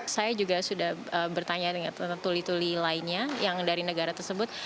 saya juga sudah bertanya dengan tuli tuli lainnya yang dari negara tersebut